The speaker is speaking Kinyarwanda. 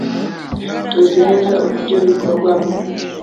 Tuzi neza uburyo bikorwamo.